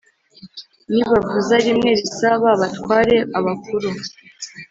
Nibavuza rimwe risa ba batware abakuru